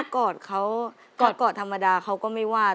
กอดเขากอดธรรมดาเขาก็ไม่ว่า